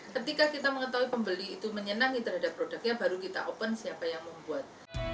ketika kita mengetahui pembeli itu menyenangi terhadap produknya baru kita open siapa yang membuat